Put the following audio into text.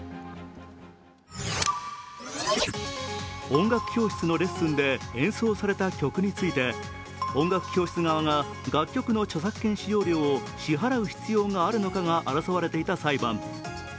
音楽教室のレッスンで演奏された曲について音楽教室側が楽曲の著作権使用料を支払う必要があるのかが争われていた裁判。